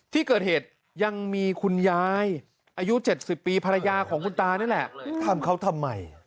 ที่เกิดเหตุยังมีคุณยายอายุ๗๐ปีภรรยาของคุณตานี่แหละทำเขาทำไม